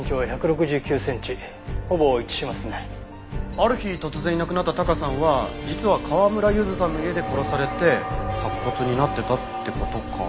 ある日突然いなくなったタカさんは実は川村ゆずさんの家で殺されて白骨になってたって事か。